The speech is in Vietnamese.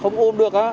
không ôm được á